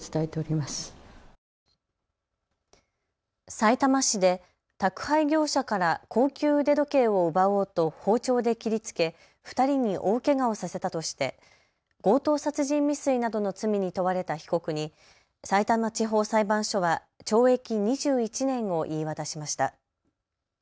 さいたま市で宅配業者から高級腕時計を奪おうと包丁で切りつけ２人に大けがをさせたとして強盗殺人未遂などの罪に問われた被告にさいたま地方裁判所は懲役２１年を言い渡しました。